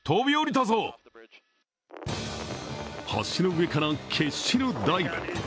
橋の上から決死のダイブ。